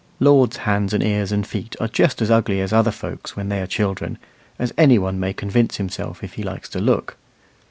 Lords' hands and ears and feet are just as ugly as other folk's when they are children, as any one may convince himself if he likes to look.